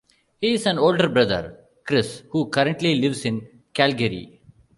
He has an older brother, Chris, who currently lives in Calgary.